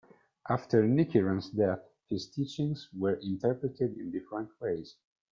After Nichiren's death, his teachings were interpreted in different ways.